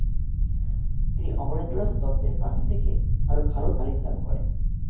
তিনি অমরেন্দ্রনাথ দত্তের কাছ থেকে আরো ভাল তালিম লাভ করেন।